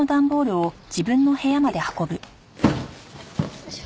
よいしょ。